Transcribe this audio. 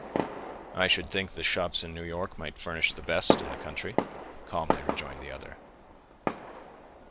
"I should think the shops in New York might furnish the best in the country," calmly rejoined the other.